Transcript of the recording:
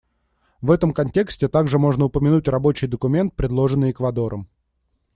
В этом контексте также можно упомянуть рабочий документ, предложенный Эквадором.